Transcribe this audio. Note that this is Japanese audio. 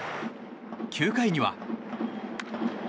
９回には。